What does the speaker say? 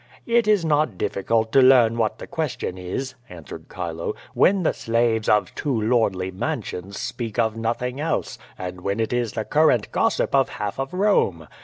"It is not difficult to learn what the question is,'' answered Chilo, "when the slaves of two lordly mansions speak of nothing else, and when it is the current gossip of half of Rome.